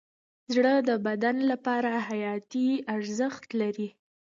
زړه د بدن لپاره حیاتي ارزښت لري.